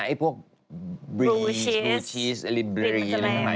อันนี้ก็จะแรงมาก